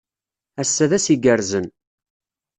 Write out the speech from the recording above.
Ass-a d ass igerrzen.